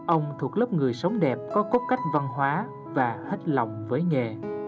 ông thuộc lớp người sống đẹp có cốt cách văn hóa và hết lòng với nghề